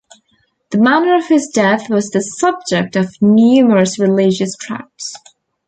The manner of his death was the subject of numerous religious tracts.